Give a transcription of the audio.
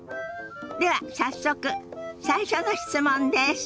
では早速最初の質問です。